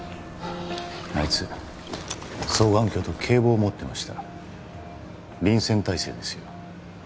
あいつ双眼鏡と警棒を持ってました臨戦態勢ですよ